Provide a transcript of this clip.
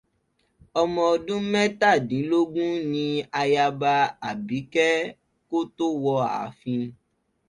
Ọmọ ọdún mẹ́tàdínlógún ní Ayaba Àbíkẹ́ kó tó wọ ààfin.